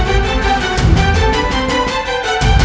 juta keluarga perempuan thc